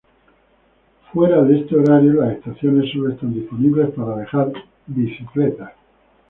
Fuera de este horario, las estaciones solo están disponibles para dejar bicicletas.